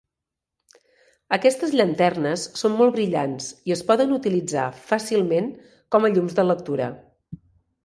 Aquestes llanternes són molt brillants i es poden utilitzar fàcilment com a llums de lectura.